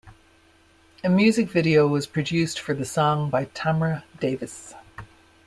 A music video was produced for the song by Tamra Davis.